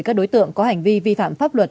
các đối tượng có hành vi vi phạm pháp luật